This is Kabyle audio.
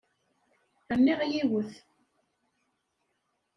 Rniɣ yiwet.